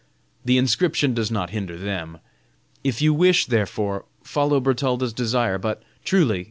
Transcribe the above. The inscription does not hinder them. If you wish, therefore, follow Bertalda's desire, but, truly!